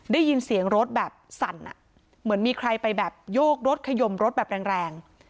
ได้ยินเสียงรถแบบสั่นอ่ะเหมือนมีใครไปแบบโยกรถขยมรถแบบแรง